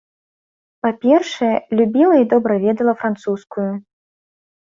Па-першае, любіла і добра ведала французскую.